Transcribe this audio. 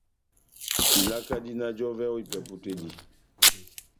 Tilaka dina jɔvɛ ó ipɛpu tɛ́ dí.